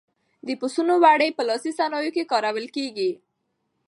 د پسونو وړۍ په لاسي صنایعو کې کارول کېږي.